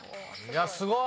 すごい！